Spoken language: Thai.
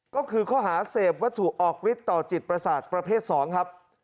ก็คือข้อหาเสพวัตถุออกฤทธิต่อจิตประสาทประเภท๒ครับ